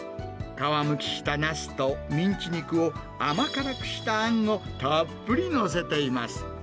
皮むきしたナスとミンチ肉を、甘辛くしたあんをたっぷり載せています。